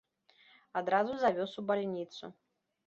Адразу завёз у бальніцу.